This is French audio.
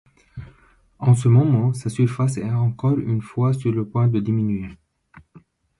En ce moment, sa surface est encore une fois sur le point de diminuer.